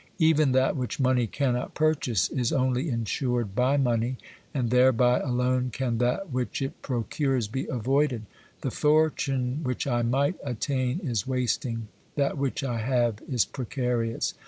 Even that which money cannot purchase is only insured by money, and thereby alone can that which it procures be avoided. The fortune which I might attain is wasting; that which I have is precarious.